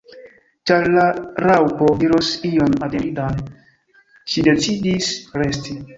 Ĉar la Raŭpo diros ion atentindan, ŝi decidis resti.